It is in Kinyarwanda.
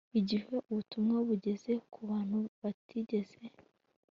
Igihe ubutumwa bugeze ku bantu batigeze